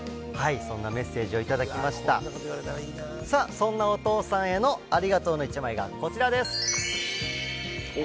そんなお父さんへのありがとうの１枚がこちらです。